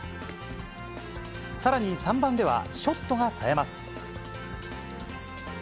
さらに３番では、ショットがさえます。